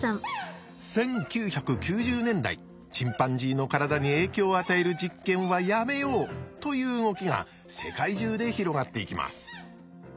１９９０年代チンパンジーの体に影響を与える実験はやめようという動きが世界中で広がっていきます。